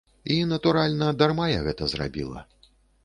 І, натуральна, дарма я гэта зрабіла.